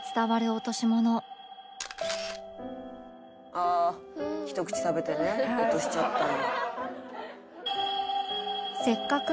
「ああひと口食べてね落としちゃったんや」